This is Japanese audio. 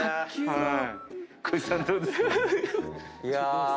いや。